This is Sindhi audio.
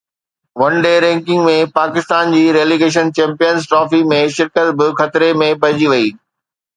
ون ڊي رينڪنگ ۾ پاڪستان جي ريليگيشن چيمپيئنز ٽرافي ۾ شرڪت به خطري ۾ پئجي وئي.